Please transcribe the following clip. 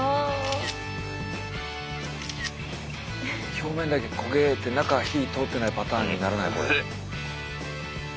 表面だけ焦げて中火通ってないパターンにならない？